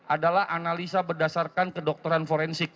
adalah analisa berdasarkan kedokteran forensik